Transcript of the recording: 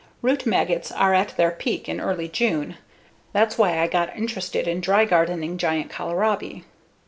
Root maggots are at their peak in early June. That's why I got interested in dry gardening giant kohlrabi.